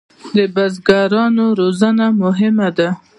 د بزګرانو روزنه مهمه ده